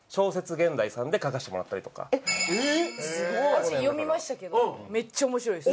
私読みましたけどめっちゃ面白いです。